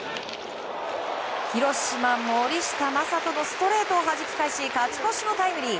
広島、森下暢仁のストレートをはじき返し勝ち越しのタイムリー。